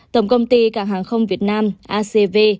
tổng công ty cảng hàng không việt nam acv